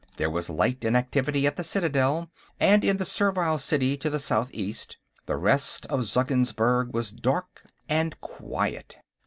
There was light and activity at the Citadel, and in the Servile City to the south east; the rest of Zeggensburg was dark and quiet.